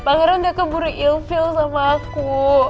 pangeran udah keburu ilvil sama aku